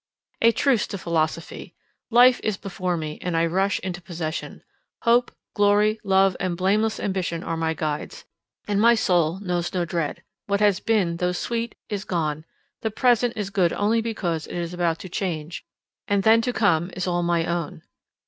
A truce to philosophy!—Life is before me, and I rush into possession. Hope, glory, love, and blameless ambition are my guides, and my soul knows no dread. What has been, though sweet, is gone; the present is good only because it is about to change, and the to come is all my own.